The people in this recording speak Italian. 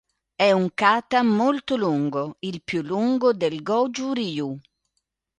È un kata molto lungo, il più lungo del Gōjū-ryū.